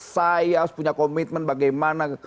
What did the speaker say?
saya harus punya komitmen bagaimana